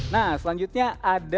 nah selanjutnya ada